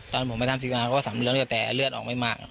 ตอนผมไปทำสินค้าเขาก็สำรักเลือดแต่เลือดออกไม่มาก